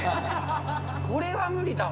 これは無理だわ。